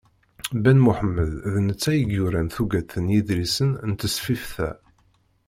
Ben Muḥemmed, d netta i yuran tuget n yiḍrisen n tesfift-a.